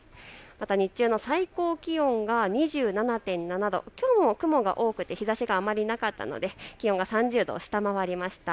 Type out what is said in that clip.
日中の最高気温は２７．７度、きょうも雲が多くて日ざしがあまりなかったので気温が３０度を下回りました。